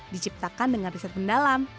diciptakan dengan riset mendalam